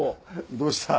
どうした？